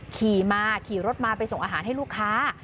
ขี่มาขี่รถมาไปส่งอาหารให้ลูกค้า